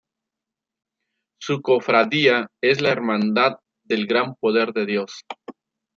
Su cofradía es la Hermandad del Gran Poder de Dios.